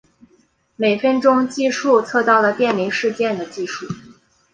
每分钟计数测到的电离事件的计数。